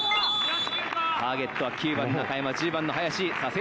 ターゲットは９番中山１０番の林。